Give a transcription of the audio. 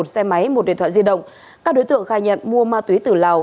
một xe máy một điện thoại di động các đối tượng khai nhận mua ma túy từ lào